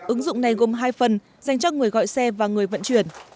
ứng dụng này gồm hai phần dành cho người gọi xe và người vận chuyển